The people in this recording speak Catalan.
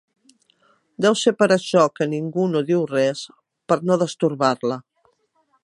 Deu ser per això que ningú no diu res, per no destorbar-la.